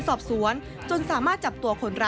โดยใช้ถุงยางอนามัยระหว่างคมคื้นเหยื่อทั้ง๒ครั้ง